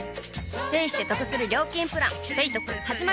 ペイしてトクする料金プラン「ペイトク」始まる！